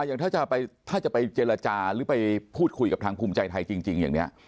อย่างถ้าจะไปเจรจาหรือไปพูดคุยกับทางภูมิใจไทยจริงอย่างนี้